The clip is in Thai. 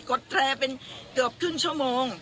ดแตรเป็นเกือบครึ่งชั่วโมง